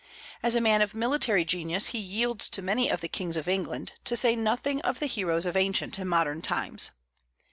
As a man of military genius he yields to many of the kings of England, to say nothing of the heroes of ancient and modern times.